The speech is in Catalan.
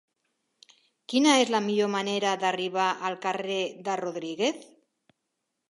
Quina és la millor manera d'arribar al carrer de Rodríguez?